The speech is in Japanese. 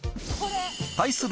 ［対する］